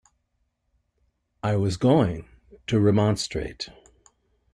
I was going to remonstrate.